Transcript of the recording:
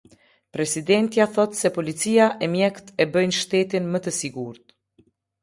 Presidentja thotë se policia e mjekët e bëjnë shtetin më të sigurt.